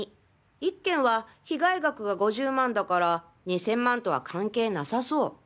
１件は被害額が５０万だから２０００万とは関係なさそう。